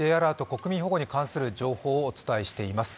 国民保護に関する情報をお伝えしています。